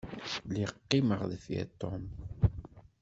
Lliɣ qqimeɣ deffir Tom.